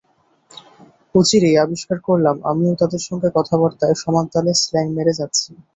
অচিরেই আবিষ্কার করলাম আমিও তাদের সঙ্গে কথাবার্তায় সমানতালে স্ল্যাং মেরে যাচ্ছি।